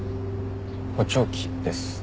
補聴器です。